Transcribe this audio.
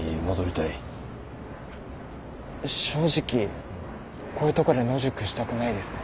正直こういうとこで野宿したくないですね。